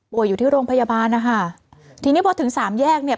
อยู่ที่โรงพยาบาลนะคะทีนี้พอถึงสามแยกเนี่ย